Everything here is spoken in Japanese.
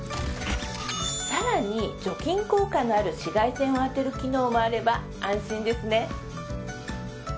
さらに除菌効果のある紫外線をあてる機能もあれば安心ですね